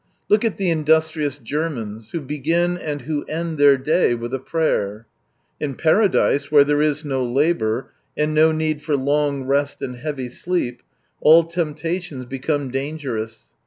Look at the industrious Germans, who be^n and who end their day with a prayer. In Paradise, where tliere is no labour,, and no need for long rest and heavy sleep, all temptations become dangerous.